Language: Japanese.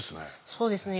そうですね